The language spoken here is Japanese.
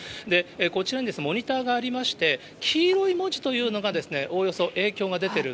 こちらにモニターがありまして、黄色い文字というのがおおよそ影響が出ている。